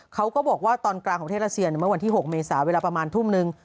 เขาก็บอกว่าตอนกลางของประเทศรัสเซียเมื่อวันที่๖เมษาเวลาประมาณทุ่มนึง